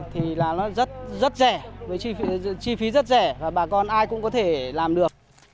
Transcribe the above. thì là nó rất rẻ với chi phí rất rẻ và bà con ai cũng có thể làm được